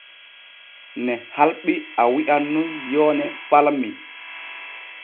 Ne halɓi a wi’an nun yoone falmi.